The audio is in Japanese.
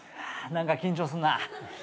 何か緊張すんな。